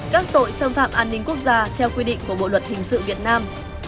các tội xâm phạm an ninh quốc gia theo quy định của bộ luật hình sự việt nam